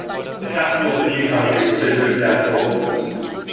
The capital of the new country was soon moved down to Auckland.